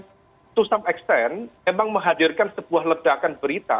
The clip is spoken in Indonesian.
to some extent memang menghadirkan sebuah ledakan berita